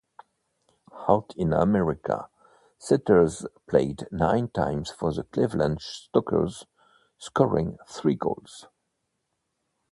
Out in America, Setters played nine times for the Cleveland Stokers scoring three goals.